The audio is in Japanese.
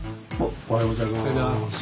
おはようございます。